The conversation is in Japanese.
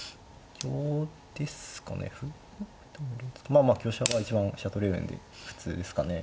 まあまあ香車が一番飛車取れるんで普通ですかね。